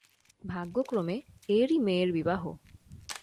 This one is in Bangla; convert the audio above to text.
ভাগ্যক্রমে এরই মেয়ের বিবাহ।